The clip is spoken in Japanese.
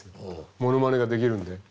ものまねができるんで。